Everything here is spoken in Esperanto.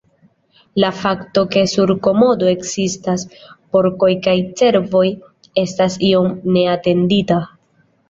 La fakto ke sur Komodo ekzistas porkoj kaj cervoj estas iom neatendita.